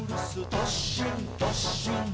どっしんどっしん」